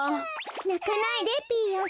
なかないでピーヨン。